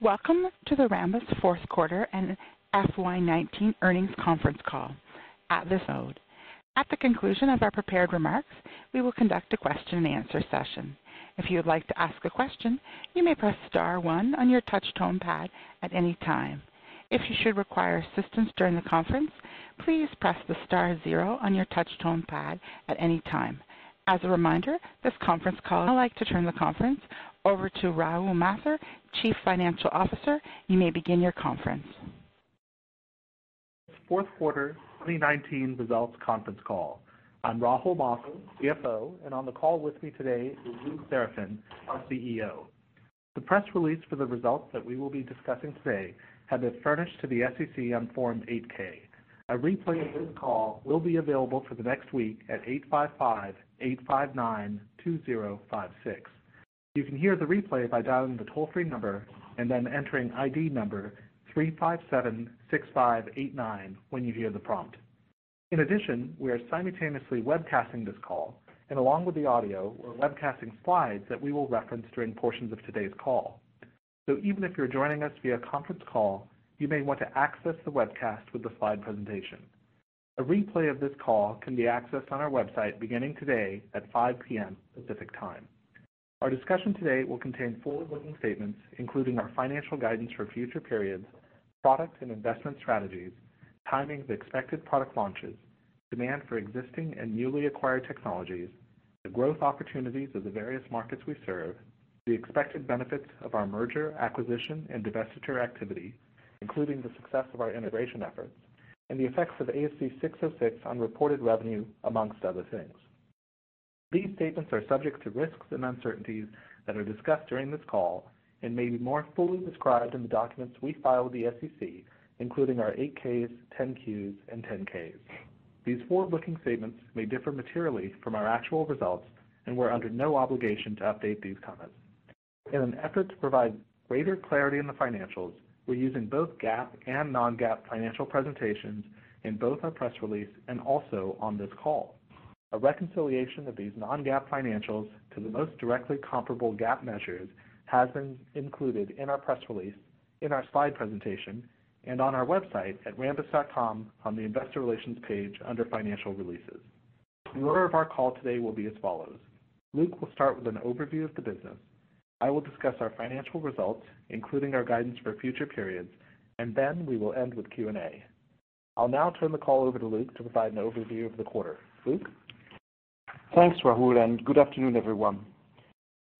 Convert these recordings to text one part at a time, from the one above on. Welcome to the Rambus fourth quarter and FY 2019 earnings conference call. At the conclusion of our prepared remarks, we will conduct a question and answer session. If you would like to ask a question, you may press star one on your touch-tone pad at any time. If you should require assistance during the conference, please press the star zero on your touch-tone pad at any time. As a reminder, I'd like to turn the conference over to Rahul Mathur, Chief Financial Officer. You may begin your conference. Fourth quarter 2019 results conference call. I'm Rahul Mathur, CFO, and on the call with me today is Luc Seraphin, our CEO. The press release for the results that we will be discussing today have been furnished to the SEC on Form 8-K. A replay of this call will be available for the next week at 855-859-2056. You can hear the replay by dialing the toll-free number and then entering ID number 3576589 when you hear the prompt. In addition, we are simultaneously webcasting this call, and along with the audio, we're webcasting slides that we will reference during portions of today's call. Even if you're joining us via conference call, you may want to access the webcast with the slide presentation. A replay of this call can be accessed on our website beginning today at 5:00 P.M. Pacific Time. Our discussion today will contain forward-looking statements, including our financial guidance for future periods, products and investment strategies, timings of expected product launches, demand for existing and newly acquired technologies, the growth opportunities of the various markets we serve, the expected benefits of our merger, acquisition, and divestiture activity, including the success of our integration efforts, and the effects of ASC 606 on reported revenue, amongst other things. These statements are subject to risks and uncertainties that are discussed during this call and may be more fully described in the documents we file with the SEC, including our 8-Ks, 10-Qs, and 10-Ks. These forward-looking statements may differ materially from our actual results, and we're under no obligation to update these comments. In an effort to provide greater clarity in the financials, we're using both GAAP and non-GAAP financial presentations in both our press release and also on this call. A reconciliation of these non-GAAP financials to the most directly comparable GAAP measures has been included in our press release, in our slide presentation, and on our website at rambus.com on the Investor Relations page under financial releases. The order of our call today will be as follows. Luc will start with an overview of the business. I will discuss our financial results, including our guidance for future periods, and then we will end with Q&A. I'll now turn the call over to Luc to provide an overview of the quarter. Luc? Thanks, Rahul, and good afternoon, everyone.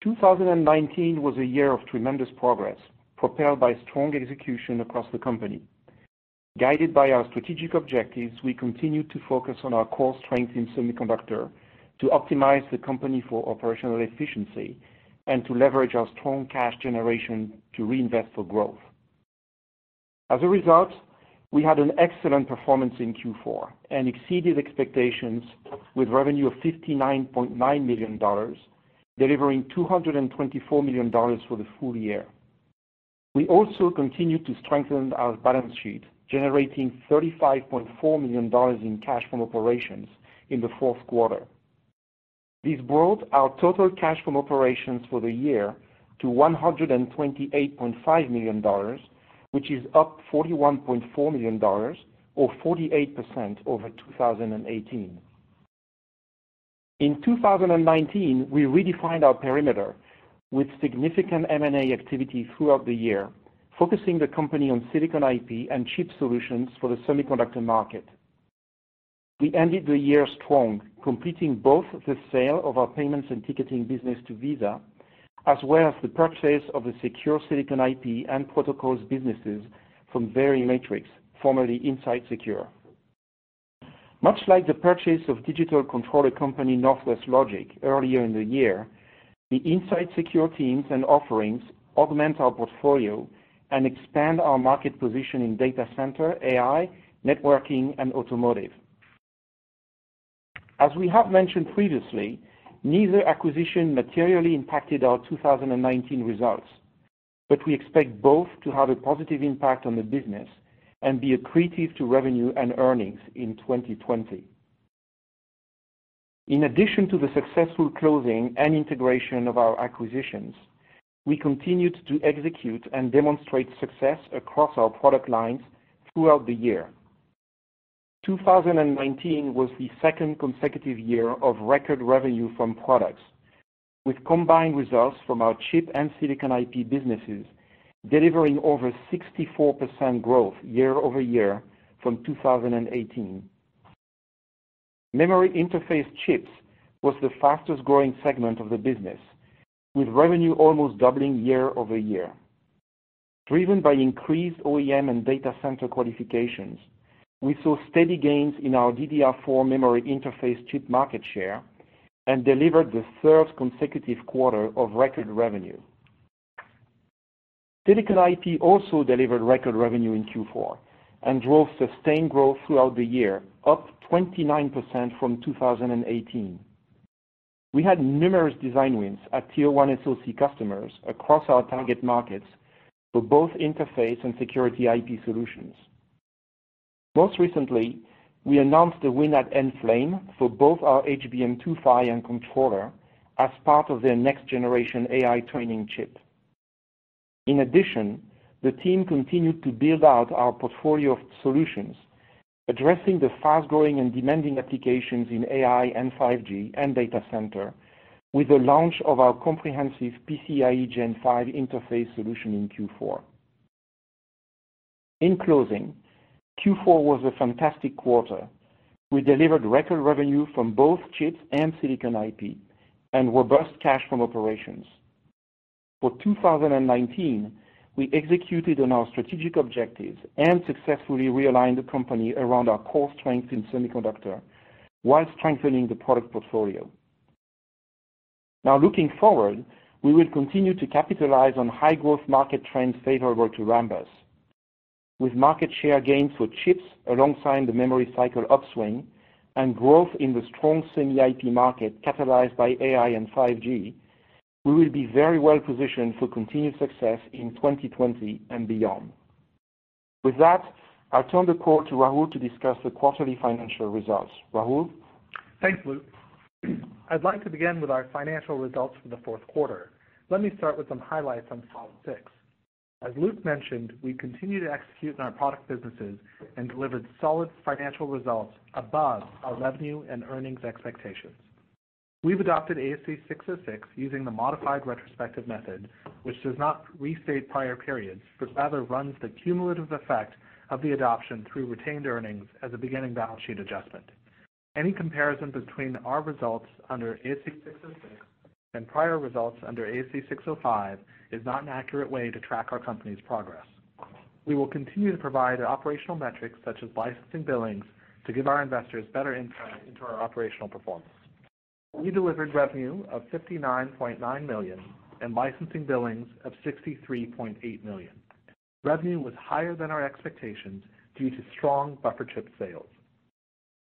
2019 was a year of tremendous progress, propelled by strong execution across the company. Guided by our strategic objectives, we continued to focus on our core strength in semiconductor to optimize the company for operational efficiency and to leverage our strong cash generation to reinvest for growth. As a result, we had an excellent performance in Q4 and exceeded expectations with revenue of $59.9 million, delivering $224 million for the full-year. We also continued to strengthen our balance sheet, generating $35.4 million in cash from operations in the fourth quarter. This brought our total cash from operations for the year to $128.5 million, which is up $41.4 million or 48% over 2018. In 2019, we redefined our perimeter with significant M&A activity throughout the year, focusing the company on silicon IP and chip solutions for the semiconductor market. We ended the year strong, completing both the sale of our payments and ticketing business to Visa, as well as the purchase of the secure silicon IP and protocols businesses from Verimatrix, formerly Inside Secure. Much like the purchase of digital controller company Northwest Logic earlier in the year, the Inside Secure teams and offerings augment our portfolio and expand our market position in data center, AI, networking, and automotive. As we have mentioned previously, neither acquisition materially impacted our 2019 results, but we expect both to have a positive impact on the business and be accretive to revenue and earnings in 2020. In addition to the successful closing and integration of our acquisitions, we continued to execute and demonstrate success across our product lines throughout the year. 2019 was the second consecutive year of record revenue from products, with combined results from our chip and silicon IP businesses delivering over 64% growth year-over-year from 2018. Memory interface chips was the fastest-growing segment of the business, with revenue almost doubling year-over-year. Driven by increased OEM and data center qualifications, we saw steady gains in our DDR4 memory interface chip market share and delivered the third consecutive quarter of record revenue. Silicon IP also delivered record revenue in Q4 and drove sustained growth throughout the year, up 29% from 2018. We had numerous design wins at Tier 1 SoC customers across our target markets for both interface and security IP solutions. Most recently, we announced a win at Enflame for both our HBM2 PHY and controller as part of their next-generation AI training chip. In addition, the team continued to build out our portfolio of solutions, addressing the fast-growing and demanding applications in AI and 5G and data center with the launch of our comprehensive PCIe Gen 5 interface solution in Q4. In closing, Q4 was a fantastic quarter. We delivered record revenue from both chips and silicon IP and robust cash from operations. For 2019, we executed on our strategic objectives and successfully realigned the company around our core strength in semiconductor while strengthening the product portfolio. Now looking forward, we will continue to capitalize on high-growth market trends favorable to Rambus. With market share gains for chips alongside the memory cycle upswing and growth in the strong semi IP market catalyzed by AI and 5G, we will be very well positioned for continued success in 2020 and beyond. With that, I'll turn the call to Rahul to discuss the quarterly financial results. Rahul? Thanks, Luc. I'd like to begin with our financial results for the fourth quarter. Let me start with some highlights on slide six. As Luc mentioned, we continue to execute on our product businesses and delivered solid financial results above our revenue and earnings expectations. We've adopted ASC 606 using the modified retrospective method, which does not restate prior periods, but rather runs the cumulative effect of the adoption through retained earnings as a beginning balance sheet adjustment. Any comparison between our results under ASC 606 and prior results under ASC 605 is not an accurate way to track our company's progress. We will continue to provide operational metrics such as licensing billings to give our investors better insight into our operational performance. We delivered revenue of $59.9 million and licensing billings of $63.8 million. Revenue was higher than our expectations due to strong buffer chip sales.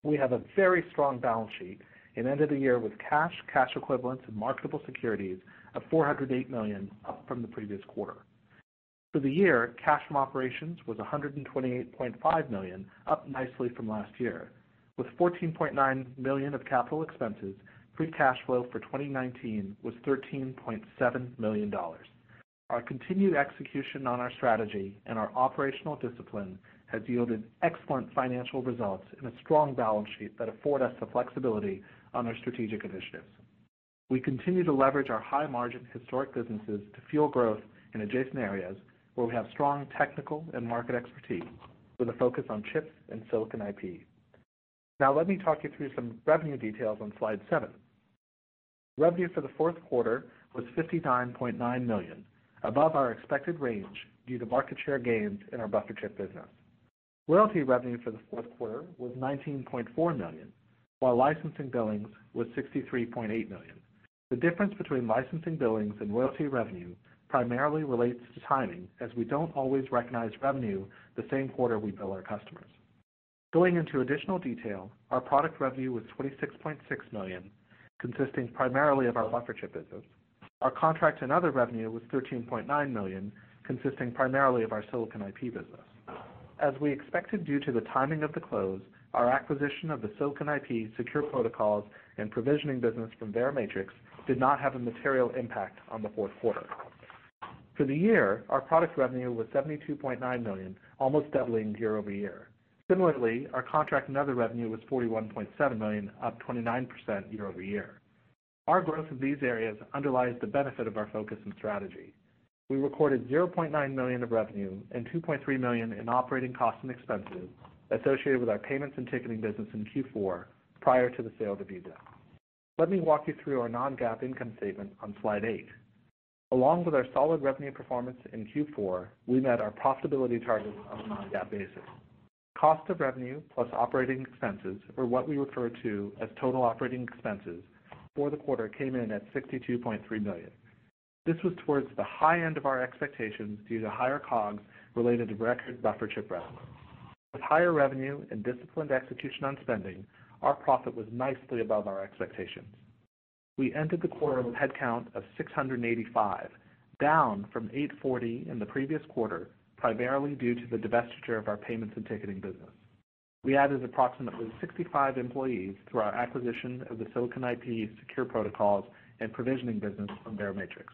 We have a very strong balance sheet and ended the year with cash equivalents, and marketable securities of $408 million, up from the previous quarter. For the year, cash from operations was $128.5 million, up nicely from last year. With $14.9 million of CapEx, free cash flow for 2019 was $113.7 million. Our continued execution on our strategy and our operational discipline has yielded excellent financial results and a strong balance sheet that afford us the flexibility on our strategic initiatives. We continue to leverage our high-margin historic businesses to fuel growth in adjacent areas where we have strong technical and market expertise with a focus on chips and silicon IP. Let me talk you through some revenue details on slide seven. Revenue for the fourth quarter was $59.9 million, above our expected range due to market share gains in our buffer chip business. Royalty revenue for the fourth quarter was $19.4 million, while licensing billings was $63.8 million. The difference between licensing billings and royalty revenue primarily relates to timing, as we don't always recognize revenue the same quarter we bill our customers. Going into additional detail, our product revenue was $26.6 million, consisting primarily of our buffer chip business. Our contract and other revenue was $13.9 million, consisting primarily of our silicon IP business. As we expected due to the timing of the close, our acquisition of the silicon IP secure protocols and provisioning business from Verimatrix did not have a material impact on the fourth quarter. For the year, our product revenue was $72.9 million, almost doubling year-over-year. Similarly, our contract and other revenue was $41.7 million, up 29% year-over-year. Our growth in these areas underlies the benefit of our focus and strategy. We recorded $0.9 million of revenue and $2.3 million in operating costs and expenses associated with our payments and ticketing business in Q4 prior to the sale to Visa. Let me walk you through our non-GAAP income statement on slide eight. Along with our solid revenue performance in Q4, we met our profitability targets on a non-GAAP basis. Cost of revenue plus operating expenses, or what we refer to as total operating expenses for the quarter, came in at $62.3 million. This was towards the high end of our expectations due to higher COGS related to record buffer chip revenue. With higher revenue and disciplined execution on spending, our profit was nicely above our expectations. We ended the quarter with a headcount of 685, down from 840 in the previous quarter, primarily due to the divestiture of our payments and ticketing business. We added approximately 65 employees through our acquisition of the silicon IP secure protocols and provisioning business from Verimatrix.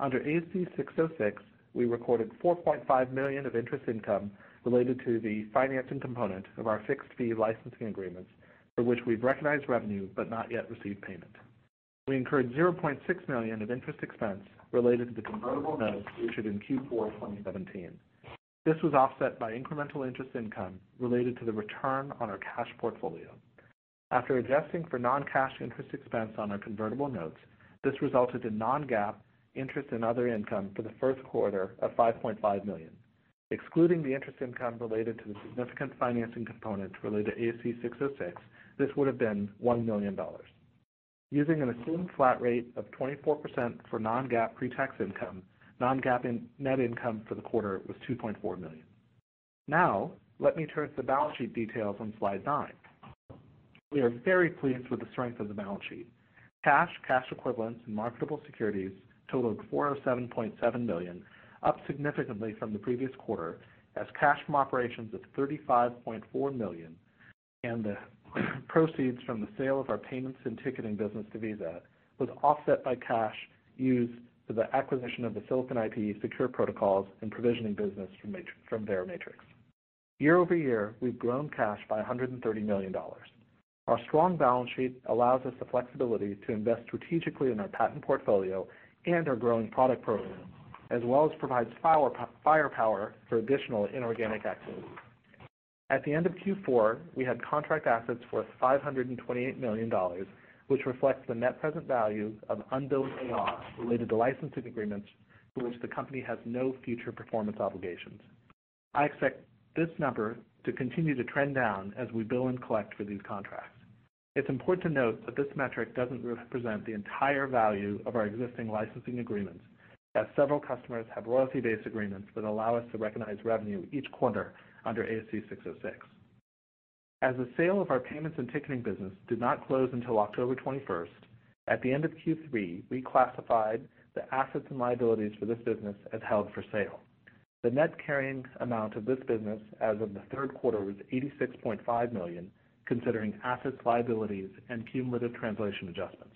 Under ASC 606, we recorded $4.5 million of interest income related to the financing component of our fixed fee licensing agreements, for which we've recognized revenue but not yet received payment. We incurred $0.6 million of interest expense related to the convertible notes issued in Q4 2017. This was offset by incremental interest income related to the return on our cash portfolio. After adjusting for non-cash interest expense on our convertible notes, this resulted in non-GAAP interest and other income for the first quarter of $5.5 million. Excluding the interest income related to the significant financing components related to ASC 606, this would have been $1 million. Using an assumed flat rate of 24% for non-GAAP pre-tax income, non-GAAP net income for the quarter was $2.4 million. Let me turn to the balance sheet details on slide nine. We are very pleased with the strength of the balance sheet. Cash, cash equivalents, and marketable securities totaled $407.7 million, up significantly from the previous quarter as cash from operations of $35.4 million and the proceeds from the sale of our payments and ticketing business to Visa was offset by cash used for the acquisition of the silicon IP secure protocols and provisioning business from Verimatrix. Year-over-year, we've grown cash by $130 million. Our strong balance sheet allows us the flexibility to invest strategically in our patent portfolio and our growing product program, as well as provides firepower for additional inorganic activity. At the end of Q4, we had contract assets worth $528 million, which reflects the net present value of unbilled ARs related to licensing agreements for which the company has no future performance obligations. I expect this number to continue to trend down as we bill and collect for these contracts. It's important to note that this metric doesn't represent the entire value of our existing licensing agreements, as several customers have royalty-based agreements that allow us to recognize revenue each quarter under ASC 606. As the sale of our payments and ticketing business did not close until October 21st, at the end of Q3, we classified the assets and liabilities for this business as held for sale. The net carrying amount of this business as of the third quarter was $86.5 million, considering assets, liabilities, and cumulative translation adjustments.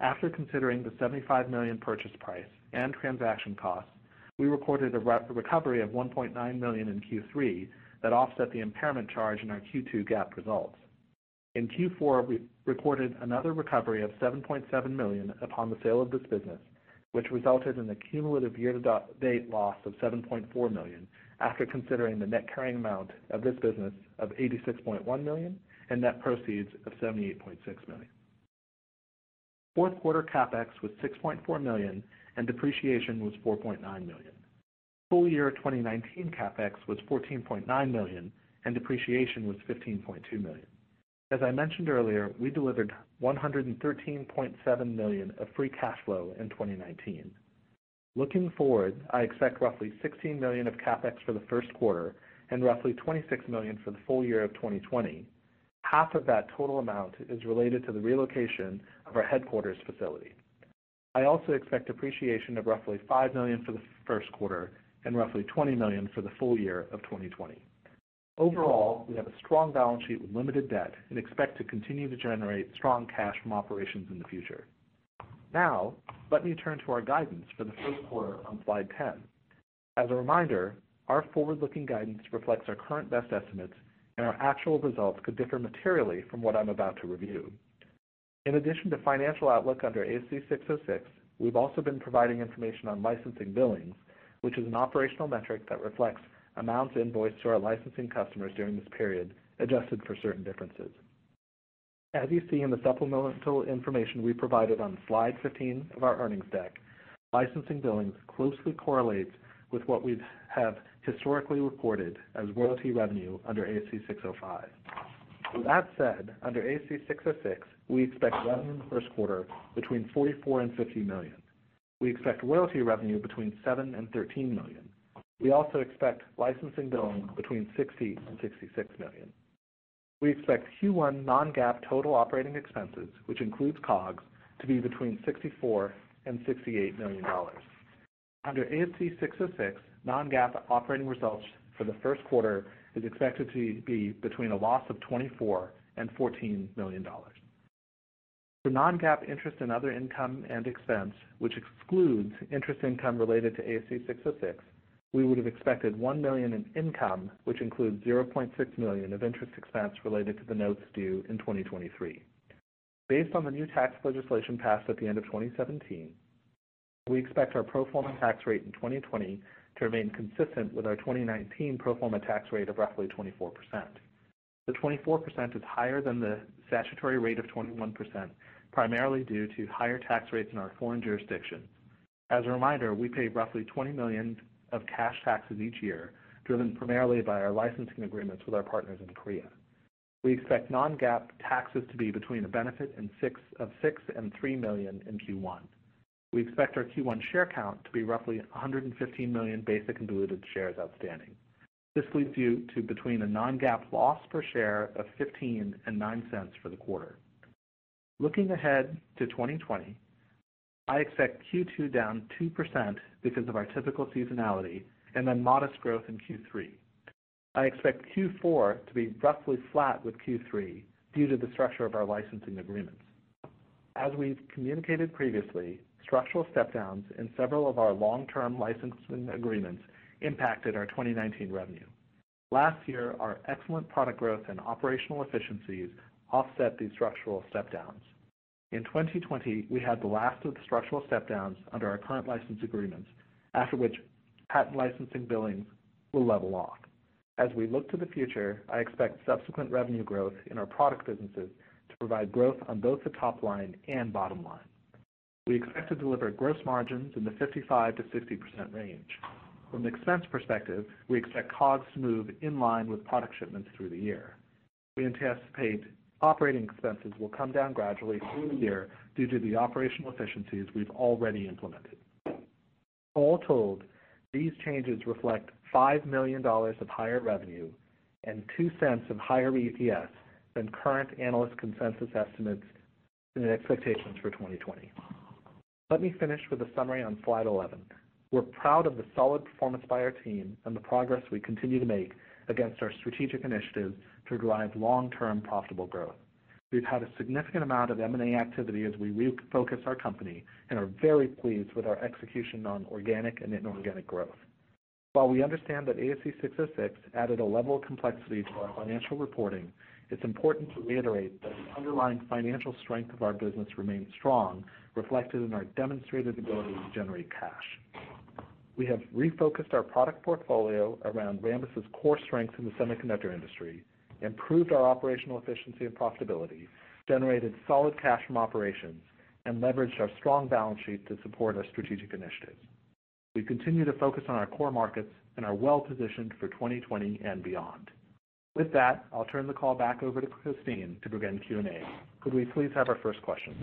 After considering the $75 million purchase price and transaction costs, we recorded a recovery of $1.9 million in Q3 that offset the impairment charge in our Q2 GAAP results. In Q4, we recorded another recovery of $7.7 million upon the sale of this business, which resulted in a cumulative year-to-date loss of $7.4 million after considering the net carrying amount of this business of $86.1 million and net proceeds of $78.6 million. Fourth quarter CapEx was $6.4 million and depreciation was $4.9 million. Full-year 2019 CapEx was $14.9 million, and depreciation was $15.2 million. As I mentioned earlier, we delivered $113.7 million of free cash flow in 2019. Looking forward, I expect roughly $16 million of CapEx for the first quarter and roughly $26 million for the full-year of 2020. Half of that total amount is related to the relocation of our headquarters facility. I also expect depreciation of roughly $5 million for the first quarter and roughly $20 million for the full-year of 2020. Overall, we have a strong balance sheet with limited debt and expect to continue to generate strong cash from operations in the future. Let me turn to our guidance for the first quarter on slide 10. As a reminder, our forward-looking guidance reflects our current best estimates. Our actual results could differ materially from what I'm about to review. In addition to financial outlook under ASC 606, we've also been providing information on licensing billings, which is an operational metric that reflects amounts invoiced to our licensing customers during this period, adjusted for certain differences. As you see in the supplemental information we provided on slide 15 of our earnings deck, licensing billings closely correlates with what we have historically reported as royalty revenue under ASC 605. With that said, under ASC 606, we expect revenue in the first quarter between $44 million-$50 million. We expect royalty revenue between $7 million and $13 million. We also expect licensing billings between $60 million and $66 million. We expect Q1 non-GAAP total operating expenses, which includes COGS, to be between $64 million and $68 million. Under ASC 606, non-GAAP operating results for the first quarter is expected to be between a loss of $24 million and $14 million. For non-GAAP interest and other income and expense, which excludes interest income related to ASC 606, we would have expected $1 million in income, which includes $0.6 million of interest expense related to the notes due in 2023. Based on the new tax legislation passed at the end of 2017, we expect our pro forma tax rate in 2020 to remain consistent with our 2019 pro forma tax rate of roughly 24%. The 24% is higher than the statutory rate of 21%, primarily due to higher tax rates in our foreign jurisdictions. As a reminder, we pay roughly $20 million of cash taxes each year, driven primarily by our licensing agreements with our partners in Korea. We expect non-GAAP taxes to be between a benefit of $6 million and $3 million in Q1. We expect our Q1 share count to be roughly 115 million basic and diluted shares outstanding. This leads you to between a non-GAAP loss per share of $0.15 and $0.09 for the quarter. Looking ahead to 2020, I expect Q2 down 2% because of our typical seasonality and then modest growth in Q3. I expect Q4 to be roughly flat with Q3 due to the structure of our licensing agreements. As we've communicated previously, structural step-downs in several of our long-term licensing agreements impacted our 2019 revenue. Last year, our excellent product growth and operational efficiencies offset these structural step-downs. In 2020, we had the last of the structural step-downs under our current license agreements, after which patent licensing billings will level off. As we look to the future, I expect subsequent revenue growth in our product businesses to provide growth on both the top line and bottom line. We expect to deliver gross margins in the 55%-60% range. From an expense perspective, we expect COGS to move in line with product shipments through the year. We anticipate operating expenses will come down gradually through the year due to the operational efficiencies we've already implemented. All told, these changes reflect $5 million of higher revenue and $0.02 of higher EPS than current analyst consensus estimates and expectations for 2020. Let me finish with a summary on slide 11. We're proud of the solid performance by our team and the progress we continue to make against our strategic initiatives to drive long-term profitable growth. We've had a significant amount of M&A activity as we refocus our company and are very pleased with our execution on organic and inorganic growth. While we understand that ASC 606 added a level of complexity to our financial reporting, it's important to reiterate that the underlying financial strength of our business remains strong, reflected in our demonstrated ability to generate cash. We have refocused our product portfolio around Rambus core strengths in the semiconductor industry, improved our operational efficiency and profitability, generated solid cash from operations, and leveraged our strong balance sheet to support our strategic initiatives. We continue to focus on our core markets and are well-positioned for 2020 and beyond. With that, I'll turn the call back over to Christine to begin Q&A. Could we please have our first question?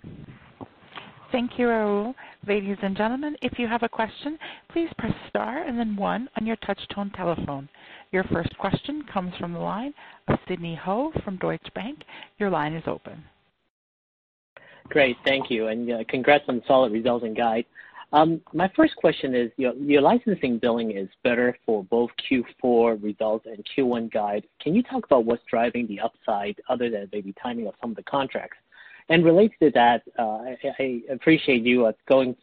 Thank you, Rahul. Ladies and gentlemen, if you have a question, please press star and then one on your touch-tone telephone. Your first question comes from the line of Sidney Ho from Deutsche Bank. Your line is open. Great. Thank you, and congrats on solid results and guide. My first question is, your licensing billing is better for both Q4 results and Q1 guide. Can you talk about what's driving the upside other than maybe timing of some of the contracts? Related to that, I appreciate you, Rahul,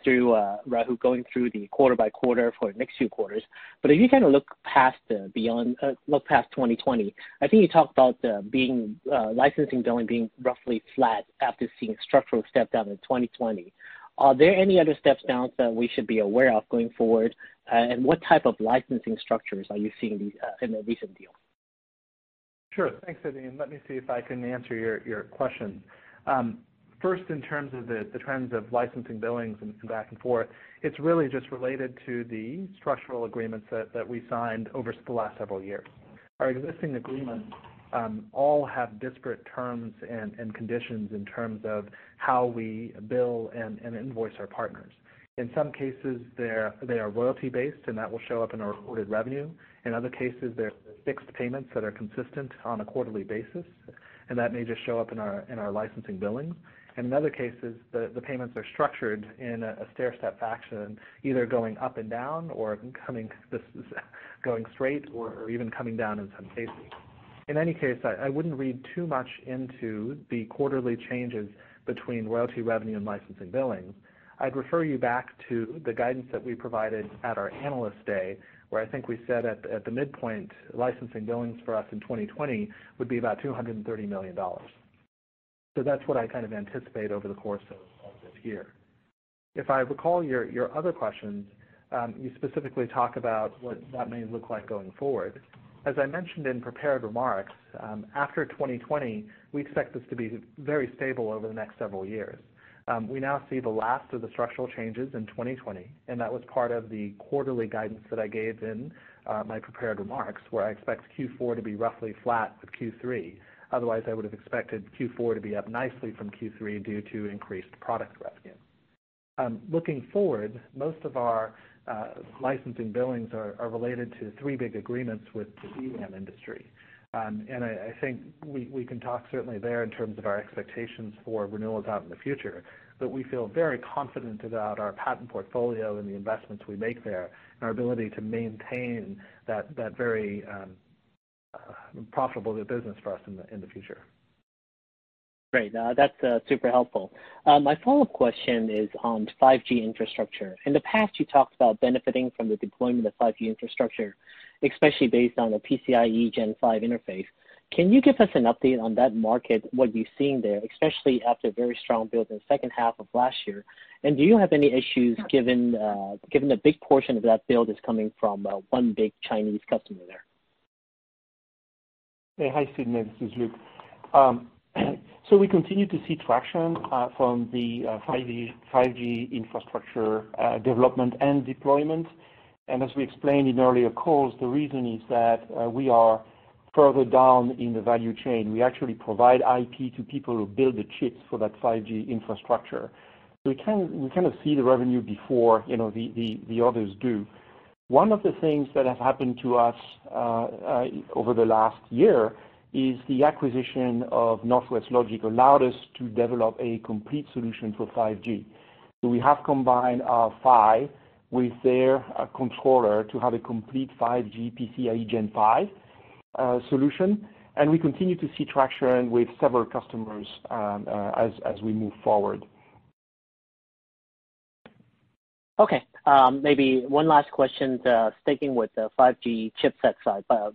going through the quarter by quarter for next few quarters, but if you kind of look past 2020, I think you talked about licensing billing being roughly flat after seeing a structural step down in 2020. Are there any other step downs that we should be aware of going forward? What type of licensing structures are you seeing in the recent deals? Sure. Thanks, Sidney. Let me see if I can answer your question. First, in terms of the trends of licensing billings and back and forth, it is really just related to the structural agreements that we signed over the last several years. Our existing agreements all have disparate terms and conditions in terms of how we bill and invoice our partners. In some cases, they are royalty-based, and that will show up in our reported revenue. In other cases, they are fixed payments that are consistent on a quarterly basis, and that may just show up in our licensing billing. In other cases, the payments are structured in a stairstep fashion, either going up and down or going straight or even coming down in some cases. In any case, I would not read too much into the quarterly changes between royalty revenue and licensing billing. I'd refer you back to the guidance that we provided at our Analyst Day, where I think we said at the midpoint, licensing billings for us in 2020 would be about $230 million. That's what I kind of anticipate over the course of this year. If I recall your other questions, you specifically talk about what that may look like going forward. As I mentioned in prepared remarks, after 2020, we expect this to be very stable over the next several years. We now see the last of the structural changes in 2020, and that was part of the quarterly guidance that I gave in my prepared remarks, where I expect Q4 to be roughly flat with Q3. I would have expected Q4 to be up nicely from Q3 due to increased product revenue. Looking forward, most of our licensing billings are related to three big agreements with the DRAM industry. I think we can talk certainly there in terms of our expectations for renewals out in the future, but we feel very confident about our patent portfolio and the investments we make there and our ability to maintain that very profitable business for us in the future. Great. That's super helpful. My follow-up question is on 5G infrastructure. In the past, you talked about benefiting from the deployment of 5G infrastructure, especially based on a PCIe Gen 5 interface. Can you give us an update on that market, what you're seeing there, especially after a very strong build in the second half of last year? Do you have any issues given the big portion of that build is coming from one big Chinese customer there? Hey. Hi, Sidney. This is Luc. We continue to see traction from the 5G infrastructure development and deployment. As we explained in earlier calls, the reason is that we are further down in the value chain. We actually provide IP to people who build the chips for that 5G infrastructure. We kind of see the revenue before the others do. One of the things that have happened to us over the last year is the acquisition of Northwest Logic allowed us to develop a complete solution for 5G. We have combined our PHY with their controller to have a complete 5G PCIe Gen 5 solution, and we continue to see traction with several customers as we move forward. Okay. Maybe one last question, sticking with the 5G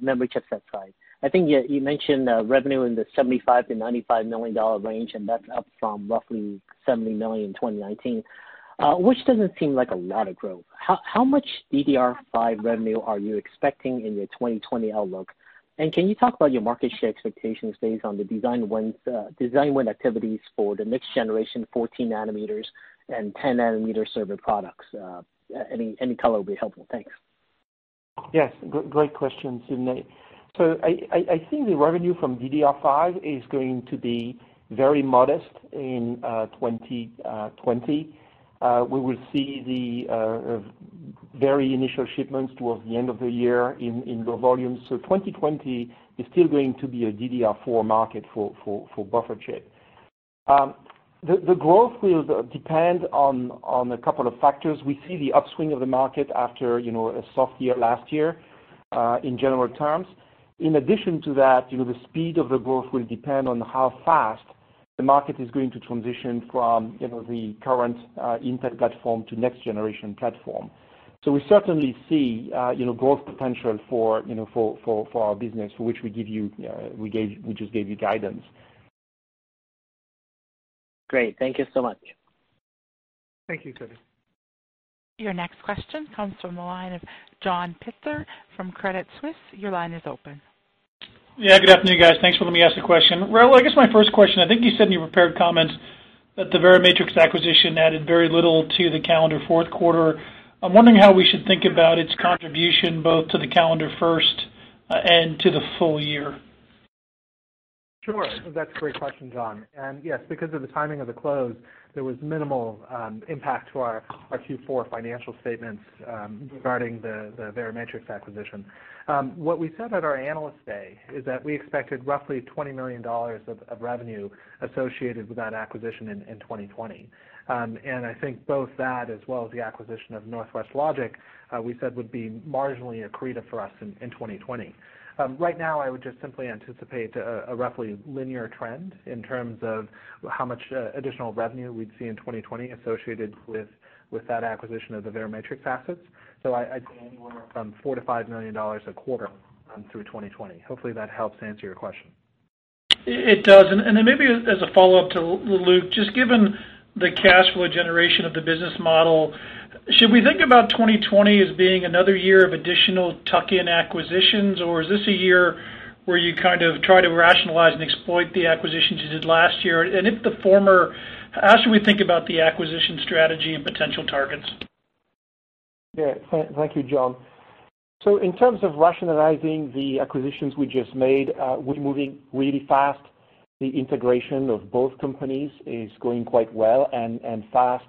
memory chipset side. I think you mentioned revenue in the $75 million-$95 million range, and that's up from roughly $70 million in 2019, which doesn't seem like a lot of growth. How much DDR5 revenue are you expecting in your 2020 outlook? Can you talk about your market share expectations based on the design win activities for the next generation 14 nanometers and 10-nm server products? Any color will be helpful. Thanks. Yes, great question, Sidney. I think the revenue from DDR5 is going to be very modest in 2020. We will see the very initial shipments towards the end of the year in low volumes. 2020 is still going to be a DDR4 market for buffer chip. The growth will depend on a couple of factors. We see the upswing of the market after a soft year last year, in general terms. In addition to that, the speed of the growth will depend on how fast the market is going to transition from the current Intel platform to next generation platform. We certainly see growth potential for our business, for which we just gave you guidance. Great. Thank you so much. Thank you, Sidney. Your next question comes from the line of John Pitzer from Credit Suisse. Your line is open. Yeah, good afternoon, guys. Thanks for letting me ask the question. Rahul, I guess my first question, I think you said in your prepared comments that the Verimatrix acquisition added very little to the calendar fourth quarter. I'm wondering how we should think about its contribution, both to the calendar first and to the full-year. Sure. That's a great question, John. Yes, because of the timing of the close, there was minimal impact to our Q4 financial statements regarding the Verimatrix acquisition. What we said at our Analyst Day is that we expected roughly $20 million of revenue associated with that acquisition in 2020. I think both that as well as the acquisition of Northwest Logic, we said would be marginally accretive for us in 2020. Right now, I would just simply anticipate a roughly linear trend in terms of how much additional revenue we'd see in 2020 associated with that acquisition of the Verimatrix assets. I'd say anywhere from $4 million to $5 million a quarter through 2020. Hopefully that helps answer your question. It does. Maybe as a follow-up to Luc, just given the cash flow generation of the business model, should we think about 2020 as being another year of additional tuck-in acquisitions, or is this a year where you kind of try to rationalize and exploit the acquisitions you did last year? If the former, how should we think about the acquisition strategy and potential targets? Thank you, John. In terms of rationalizing the acquisitions we just made, we're moving really fast. The integration of both companies is going quite well and fast,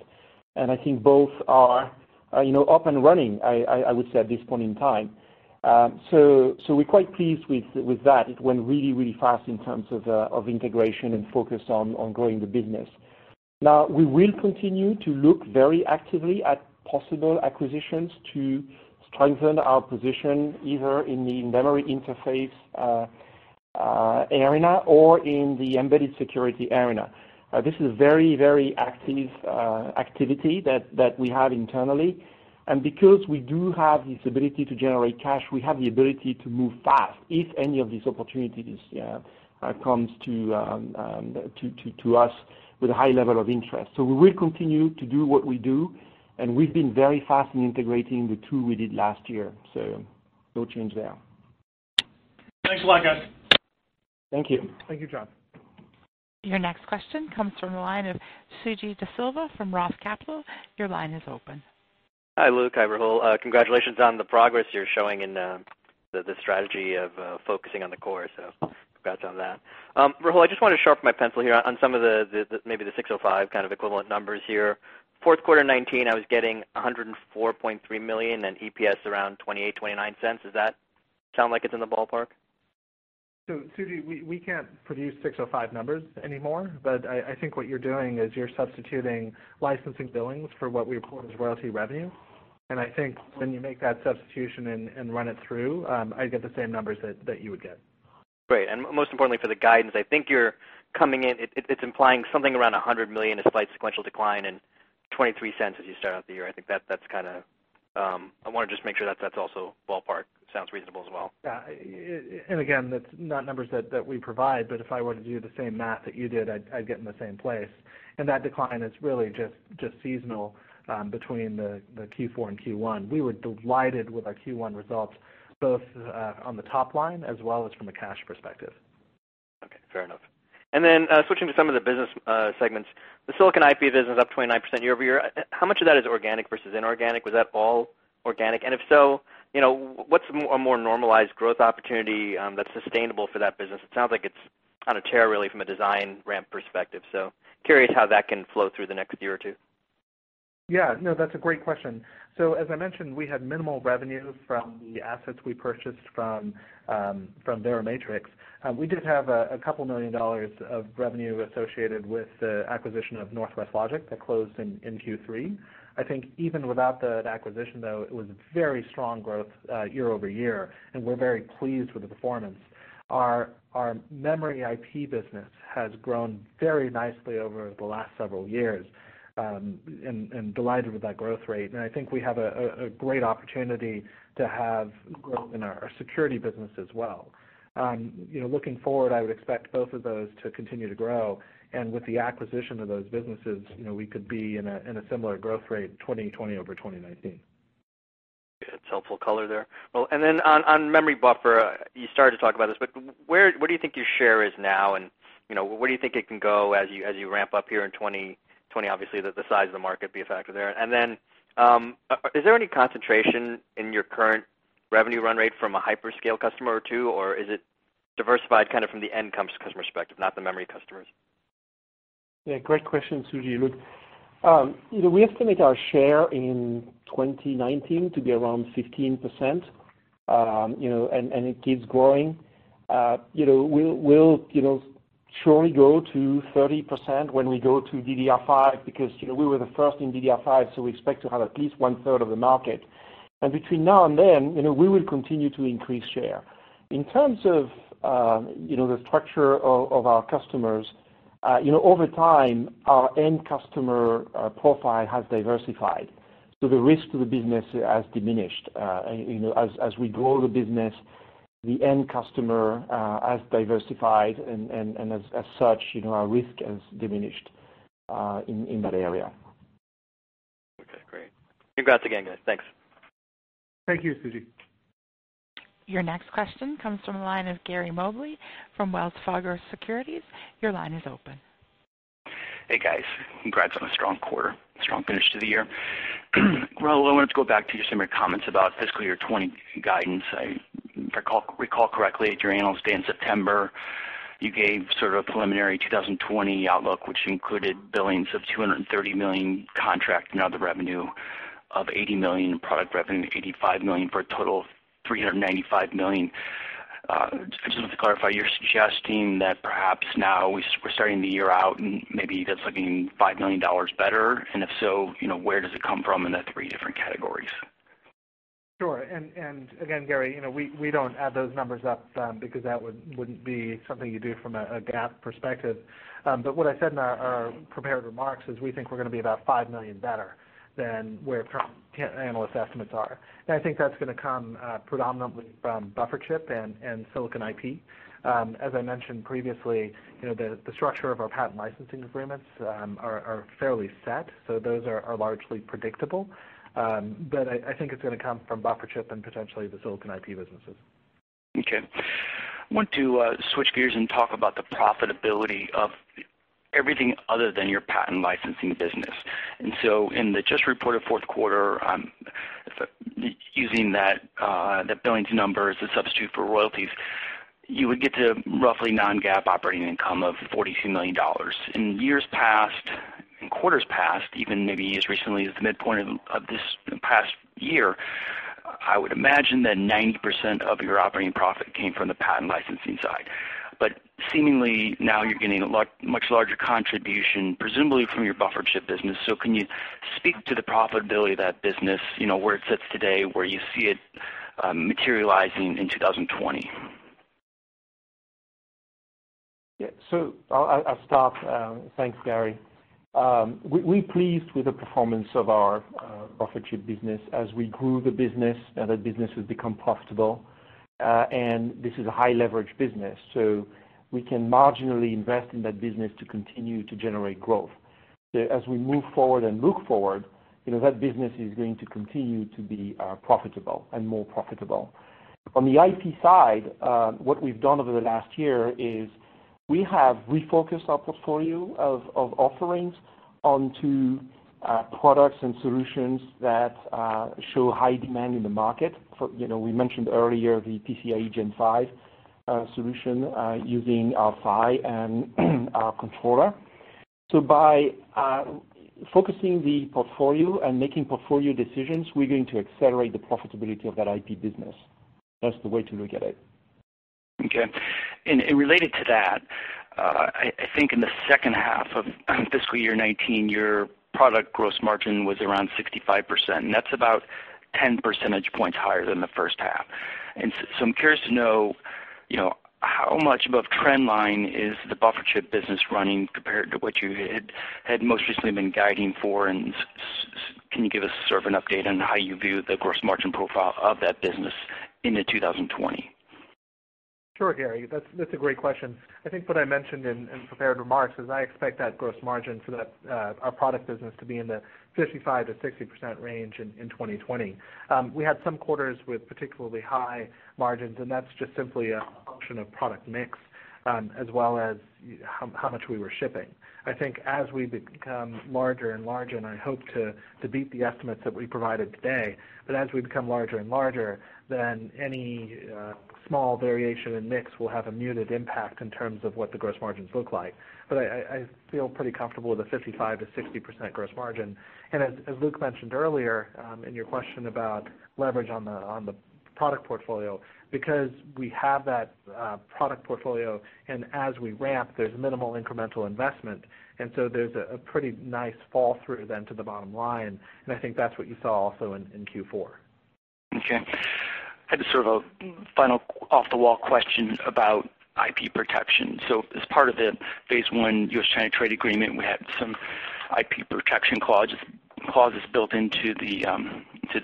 and I think both are up and running, I would say, at this point in time. We're quite pleased with that. It went really fast in terms of integration and focus on growing the business. Now, we will continue to look very actively at possible acquisitions to strengthen our position, either in the memory interface area or in the embedded security area. This is very active activity that we have internally. Because we do have this ability to generate cash, we have the ability to move fast if any of these opportunities comes to us with a high level of interest. We will continue to do what we do, and we've been very fast in integrating the two we did last year. No change there. Thanks a lot, guys. Thank you. Thank you, John. Your next question comes from the line of Suji Desilva from Roth Capital. Your line is open. Hi, Luc. Hi, Rahul. Congratulations on the progress you're showing in the strategy of focusing on the core, congrats on that. Rahul, I just want to sharpen my pencil here on some of the, maybe the ASC 605 kind of equivalent numbers here. Fourth quarter 2019, I was getting $104.3 million and EPS around $0.28-$0.29. Does that sound like it's in the ballpark? Suji, we can't produce ASC 605 numbers anymore, but I think what you're doing is you're substituting licensing billings for what we report as royalty revenue. I think when you make that substitution and run it through, I get the same numbers that you would get. Most importantly for the guidance, I think you're coming in, it's implying something around $100 million, a slight sequential decline and $0.23 as you start out the year. I think that's kind of I want to just make sure that's also ballpark. Sounds reasonable as well. Again, that's not numbers that we provide, but if I were to do the same math that you did, I'd get in the same place. That decline is really just seasonal between the Q4 and Q1. We were delighted with our Q1 results, both on the top line as well as from a cash perspective. Fair enough. Switching to some of the business segments, the silicon IP business up 29% year-over-year. How much of that is organic versus inorganic? Was that all organic? What's a more normalized growth opportunity that's sustainable for that business? It sounds like it's on a tear, really, from a design ramp perspective. Curious how that can flow through the next year or two. Yeah, no, that's a great question. As I mentioned, we had minimal revenue from the assets we purchased from Verimatrix. We did have a couple million dollars of revenue associated with the acquisition of Northwest Logic that closed in Q3. I think even without that acquisition, though, it was very strong growth year-over-year, and we're very pleased with the performance. Our memory IP business has grown very nicely over the last several years. We are delighted with that growth rate. I think we have a great opportunity to have growth in our security business as well. Looking forward, I would expect both of those to continue to grow. With the acquisition of those businesses, we could be in a similar growth rate 2020 over 2019. It's helpful color there. On memory buffer, you started to talk about this, what do you think your share is now and where do you think it can go as you ramp up here in 2020? Obviously, the size of the market will be a factor there. Is there any concentration in your current revenue run rate from a hyperscale customer or two, or is it diversified from the end customer perspective, not the memory customers? Yeah, great question, Suji. Look, we estimate our share in 2019 to be around 15%, and it keeps growing. We'll surely go to 30% when we go to DDR5 because we were the first in DDR5, so we expect to have at least one-third of the market. Between now and then, we will continue to increase share. In terms of the structure of our customers, over time, our end customer profile has diversified, so the risk to the business has diminished. As we grow the business, the end customer has diversified, and as such, our risk has diminished in that area. Okay, great. Congrats again, guys. Thanks. Thank you, Suji. Your next question comes from the line of Gary Mobley from Wells Fargo Securities. Your line is open. Hey, guys. Congrats on a strong quarter, strong finish to the year. Rahul, I wanted to go back to some of your comments about fiscal year 2020 guidance. I recall correctly, at your Analyst Day in September, you gave sort of a preliminary 2020 outlook, which included billings of $230 million contract and other revenue of $80 million, product revenue $85 million, for a total of $395 million. I just wanted to clarify, you're suggesting that perhaps now we're starting the year out and maybe that's looking $5 million better? If so, where does it come from in the three different categories? Sure. Again, Gary, we don't add those numbers up because that wouldn't be something you do from a GAAP perspective. What I said in our prepared remarks is we think we're going to be about $5 million better than where current analyst estimates are. I think that's going to come predominantly from buffer chip and silicon IP. As I mentioned previously, the structure of our patent licensing agreements are fairly set, so those are largely predictable. I think it's going to come from buffer chip and potentially the silicon IP businesses. Okay. I want to switch gears and talk about the profitability of everything other than your patent licensing business. In the just reported fourth quarter, using that billings number as a substitute for royalties, you would get to roughly non-GAAP operating income of $42 million. In years past, in quarters past, even maybe as recently as the midpoint of this past year, I would imagine that 90% of your operating profit came from the patent licensing side. Seemingly now you're getting a much larger contribution, presumably from your buffer chip business. Can you speak to the profitability of that business, where it sits today, where you see it materializing in 2020? Yeah. I'll start. Thanks, Gary. We're pleased with the performance of our buffer chip business. As we grew the business, that business has become profitable. This is a high-leverage business, so we can marginally invest in that business to continue to generate growth. As we move forward and look forward, that business is going to continue to be profitable and more profitable. On the IP side, what we've done over the last year is we have refocused our portfolio of offerings onto products and solutions that show high demand in the market. We mentioned earlier the PCIe Gen 5 solution using our PHY and our controller. By focusing the portfolio and making portfolio decisions, we're going to accelerate the profitability of that IP business. That's the way to look at it. Okay. Related to that, I think in the second half of fiscal year 2019, your product gross margin was around 65%, and that's about 10 percentage points higher than the first half. I'm curious to know, how much above trend line is the buffer chip business running compared to what you had most recently been guiding for, and can you give us sort of an update on how you view the gross margin profile of that business into 2020? Sure, Gary. That's a great question. I think what I mentioned in prepared remarks is I expect that gross margin for our product business to be in the 55%-60% range in 2020. We had some quarters with particularly high margins, and that's just simply a function of product mix as well as how much we were shipping. I think as we become larger and larger, and I hope to beat the estimates that we provided today, but as we become larger and larger, then any small variation in mix will have a muted impact in terms of what the gross margins look like. I feel pretty comfortable with a 55%-60% gross margin. As Luc mentioned earlier, in your question about leverage on the product portfolio, because we have that product portfolio and as we ramp, there's minimal incremental investment, and so there's a pretty nice fall through then to the bottom line, and I think that's what you saw also in Q4. Okay. I had sort of a final off-the-wall question about IP protection. As part of the Phase One U.S.-China trade agreement, we had some IP protection clauses built into the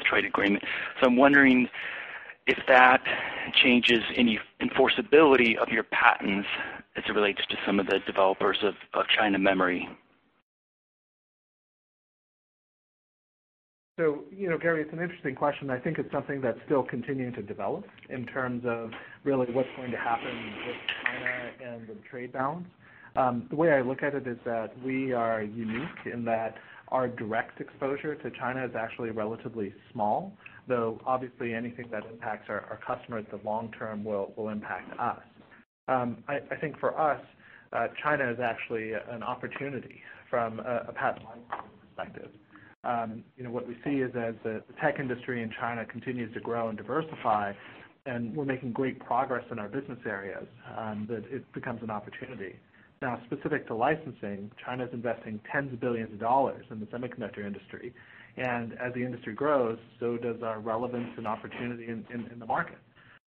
trade agreement. I'm wondering if that changes any enforceability of your patents as it relates to some of the developers of China Memory. Gary, it's an interesting question. I think it's something that's still continuing to develop in terms of really what's going to happen with China and the trade bounds. The way I look at it is that we are unique in that our direct exposure to China is actually relatively small, though obviously anything that impacts our customers long-term will impact us. I think for us, China is actually an opportunity from a patent licensing perspective. What we see is as the tech industry in China continues to grow and diversify, and we're making great progress in our business areas, that it becomes an opportunity. Now, specific to licensing, China's investing tens of billions of dollars in the semiconductor industry, and as the industry grows, so does our relevance and opportunity in the market.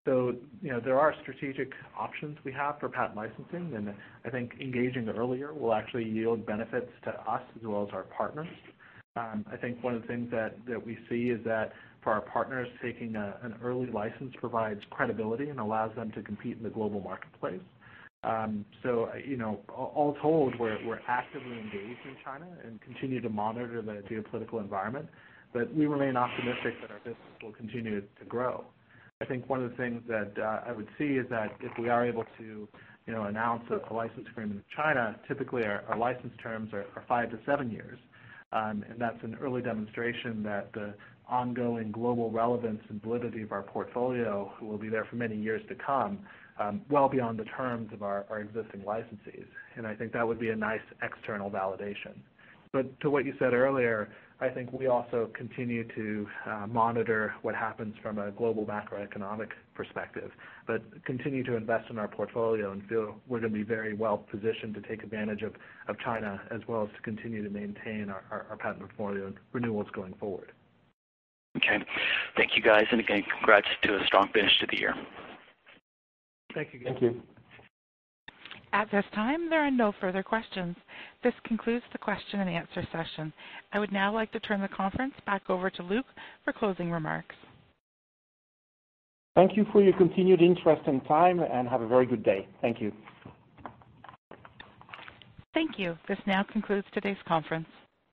There are strategic options we have for patent licensing, and I think engaging earlier will actually yield benefits to us as well as our partners. I think one of the things that we see is that for our partners, taking an early license provides credibility and allows them to compete in the global marketplace. All told, we're actively engaged in China and continue to monitor the geopolitical environment, but we remain optimistic that our business will continue to grow. I think one of the things that I would see is that if we are able to announce a license agreement with China, typically our license terms are five to seven years, and that's an early demonstration that the ongoing global relevance and validity of our portfolio will be there for many years to come, well beyond the terms of our existing licensees, and I think that would be a nice external validation. To what you said earlier, I think we also continue to monitor what happens from a global macroeconomic perspective, but continue to invest in our portfolio and feel we're going to be very well positioned to take advantage of China as well as to continue to maintain our patent portfolio and renewals going forward. Okay. Thank you guys, and again, congrats to a strong finish to the year. Thank you. Thank you. At this time, there are no further questions. This concludes the question and answer session. I would now like to turn the conference back over to Luc for closing remarks. Thank you for your continued interest and time, and have a very good day. Thank you. Thank you. This now concludes today's conference.